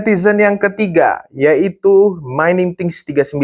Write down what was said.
komentar netizen yang ketiga yaitu miningthings tiga ribu sembilan ratus empat puluh lima